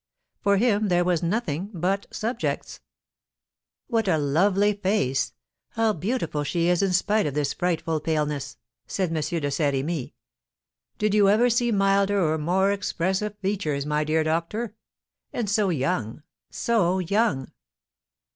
For him there was nothing but subjects. "What a lovely face! How beautiful she is in spite of this frightful paleness!" said M. de Saint Remy. "Did you ever see milder or more expressive features, my dear doctor? And so young so young!"